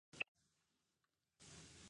دواړه طرفونه یی وخوړل!